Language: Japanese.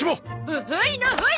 ほほいのほい！